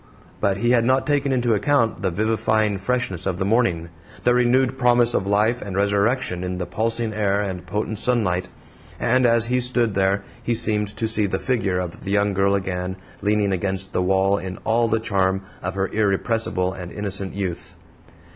But he had not taken into account the vivifying freshness of the morning, the renewed promise of life and resurrection in the pulsing air and potent sunlight, and as he stood there he seemed to see the figure of the young girl again leaning against the wall in all the charm of her irrepressible and innocent youth.